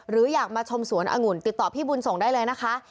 หรืออยากมาชมสวนองุ่นติดต่อพี่บุญส่งได้เลยนะคะ